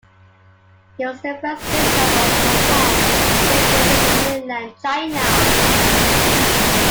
He was the first bishop of Hong Kong to visit the mainland China.